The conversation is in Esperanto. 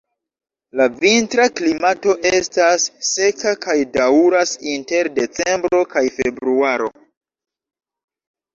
La vintra klimato estas seka kaj daŭras inter decembro kaj februaro.